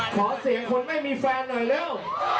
ขอเสียงคนไม่มีแฟนหน่อยเร็ว